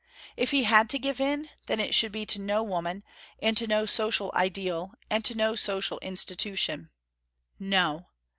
If he had to give in, then it should be to no woman, and to no social ideal, and to no social institution. No!